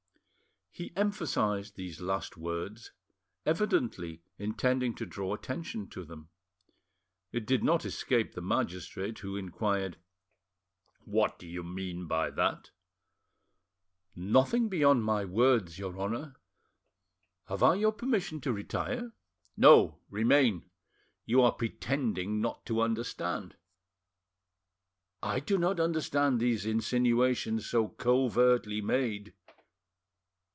He emphasised these last words, evidently intending to draw attention to them. It did not escape the magistrate, who inquired— "What do you mean by that?" "Nothing beyond my words, your Honour, Have I your permission to retire?" "No, remain; you are pretending not to understand." "I do not understand these insinuations so covertly made."